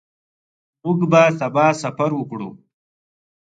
موږ به سبا سفر وکړو.